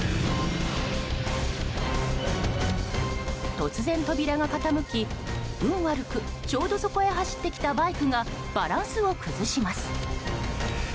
突然扉が傾き、運悪くちょうどそこへ走ってきたバイクがバランスを崩します。